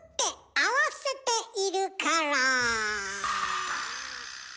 「合わせて」いるから。